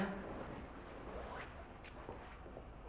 gak bisa bagi waktu